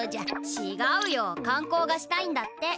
ちがうよかん光がしたいんだって。